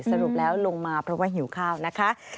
สรุปแล้วลงมาเพราะว่าหิวข้าวนะคะ